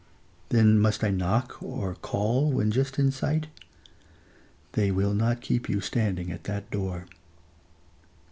Then must I knock, or call when just in sight? They will not keep you standing at that door.